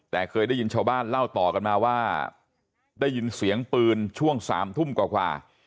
แต่เคยได้ยินชาวบ้านเล่าต่อกันมาว่าได้ยินเสียงปืนช่วง๓ทุ่มกว่า